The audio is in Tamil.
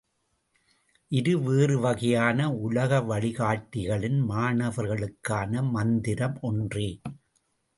இரு வேறு வகையான உலக வழிகாட்டிகளின் மாணவர்களுக்கான மந்திரம் ஒன்றே.